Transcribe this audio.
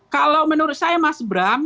kalau menurut saya mas bram